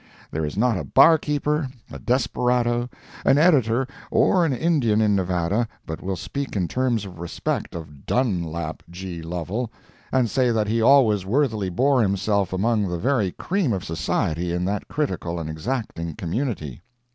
There is not a barkeeper, a desperado, an editor, or an Indian in Nevada but will speak in terms of respect of Dun lap G. Lovel, and say that he always worthily bore himself among the very cream of society in that critical and exacting community.